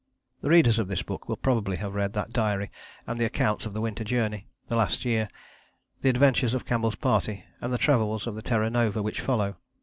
The readers of this book will probably have read that diary and the accounts of the Winter Journey, the last year, the adventures of Campbell's Party and the travels of the Terra Nova which follow.